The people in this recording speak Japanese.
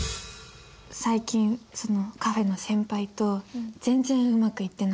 最近カフェの先輩と全然うまくいってない。